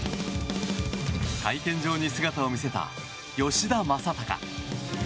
会見場に姿を見せた吉田正尚。